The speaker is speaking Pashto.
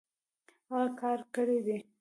هغۀ کار کړی دی